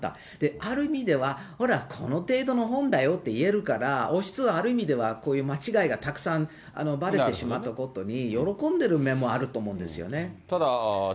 ある意味では、ほら、この程度の本だよと言えるから、王室はある意味では、こういう間違いがたくさんばれてしまったことに、喜んでる面もあると思うんですよね。